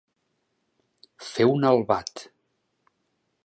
Fer un albat.